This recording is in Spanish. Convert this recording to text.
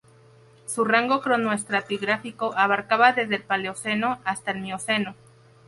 Su rango cronoestratigráfico abarcaba desde el Paleoceno hasta el Mioceno.